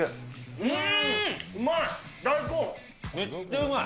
うまい。